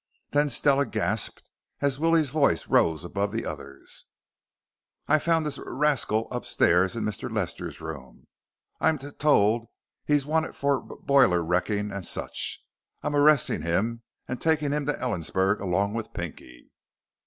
Then Stella gasped as Willie's voice rose above the others. "I found this r rascal upstairs in Mr. Lester's rooms. I'm t told he's wanted for b boiler wrecking and such. I'm arresting him and taking him to Ellensburg along with Pinky."